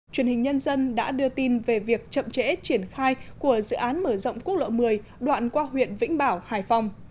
truyền hình nhân dân đã đưa tin về việc chậm trễ triển khai của dự án mở rộng quốc lộ một mươi đoạn qua huyện vĩnh bảo hải phòng